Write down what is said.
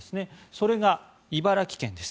それが茨城県です。